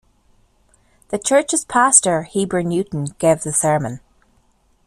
The church's pastor, Heber Newton, gave the sermon.